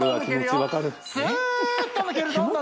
叩気持ちは分かる？